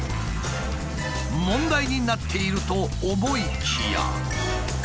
問題になっていると思いきや。